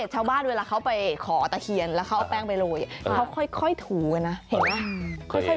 เช็นเทียงแล้วเขาแป้งไปลงไปเขาค่อยถูกันนะเห็นป่ะ